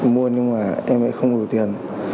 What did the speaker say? mua nhưng mà em lại không đủ tiền